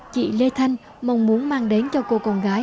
chị lê thanh mong muốn mang đến cho cô con gái